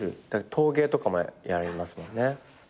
陶芸とかもやりますもんね。